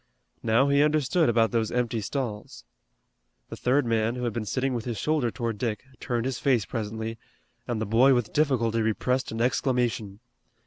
Now he understood about those empty stalls. The third man, who had been sitting with his shoulder toward Dick, turned his face presently, and the boy with difficulty repressed an exclamation.